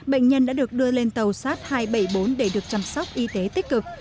bệnh nhân đã được đưa lên tàu shat hai trăm bảy mươi bốn để được chăm sóc y tế tích cực